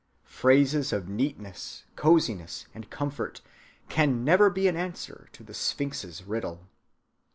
Phrases of neatness, cosiness, and comfort can never be an answer to the sphinx's riddle.